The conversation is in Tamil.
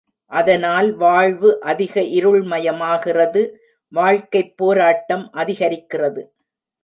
அதனால் வாழ்வு அதிக இருள்மயமாகிறது வாழ்க்கைப் போராட்டம் அதிகரிக்கிறது.